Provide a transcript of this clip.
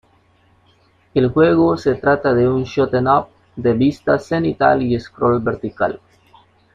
El juego se trata de un shoot-em up de vista cenital y scroll vertical.